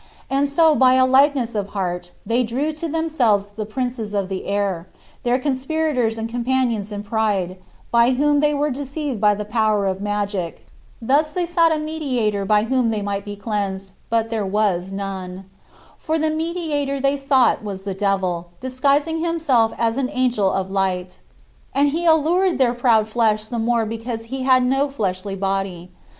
And so by a likeness of heart, they drew to themselves the princes of the air, their conspirators and companions in pride, by whom they were deceived by the power of magic. Thus they sought a mediator by whom they might be cleansed, but there was none. For the mediator they sought was the devil, disguising himself as an angel of light. And he allured their proud flesh the more because he had no fleshly body.